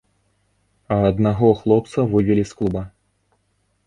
А аднаго хлопца вывелі з клуба.